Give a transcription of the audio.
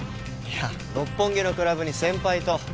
いや六本木のクラブに先輩と。